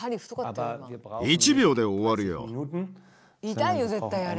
痛いよ絶対あれ。